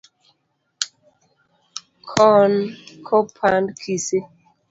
Kon ko pand kisii